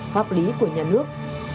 pháp lý của nhà nước